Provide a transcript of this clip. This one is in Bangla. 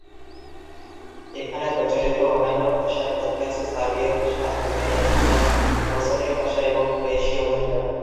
এখানে প্রচলিত অন্যান্য ভাষার মধ্যে আছে সার্বীয় ভাষা, আলবেনীয় ভাষা, বসনীয় ভাষা এবং ক্রোয়েশীয় ভাষা।